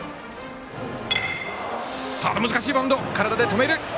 難しいバウンド、体で止める。